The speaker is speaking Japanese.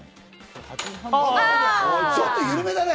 ちょっと緩めだね。